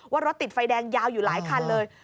รถติดไฟแดงยาวอยู่หลายคันเลย